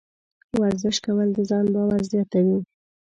ورزش کول د ځان باور زیاتوي.